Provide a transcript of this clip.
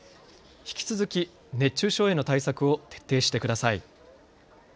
引き続き熱中症への対策を徹底してください。